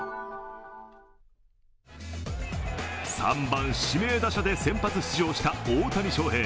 ３番・指名打者で先発出場した大谷翔平。